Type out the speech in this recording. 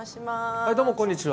はいどうもこんにちは。